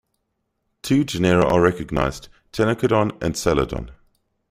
Two genera are recognized: "Ctenacodon" and "Psalodon".